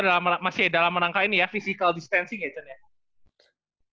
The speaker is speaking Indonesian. kita juga masih dalam rangka ini ya physical distancing ya cen